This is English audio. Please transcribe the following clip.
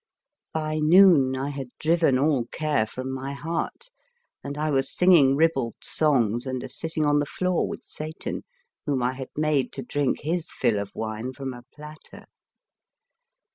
By noon I had driven all care from my heart, and I was singing ribald songs and a sitting on the floor with Satan, whom I had made to drink his fill of wine from a platter.